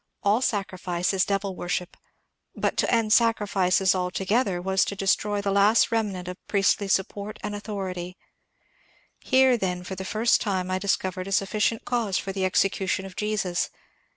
All sacrifice is devil worship. But to end sacrifices 420 MONCURE DANIEL CONWAY altogether was to destroy the last remnant of priestly support and authority. Here, then, for the first time I discovered a suffi cient cause for the execution of Jesus.